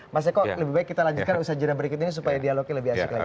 mas eko lebih baik kita lanjutkan usaha jenah berikut ini supaya dialognya lebih asik lagi